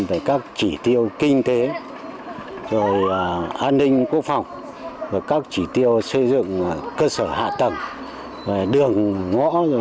về các chỉ tiêu kinh tế an ninh quốc phòng các chỉ tiêu xây dựng cơ sở các chỉ tiêu xây dựng cơ sở các chỉ tiêu xây dựng cơ sở các chỉ tiêu xây dựng cơ sở